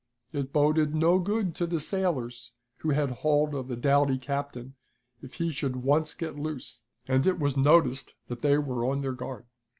It boded no good to the sailors who had hold of the doughty captain if he should once get loose, and it was noticed that they were on their guard.